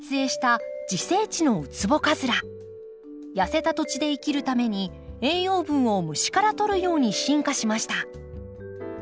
痩せた土地で生きるために栄養分を虫からとるように進化しました。